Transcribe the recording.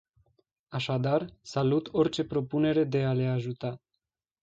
Așadar, salut orice propunere de a le ajuta.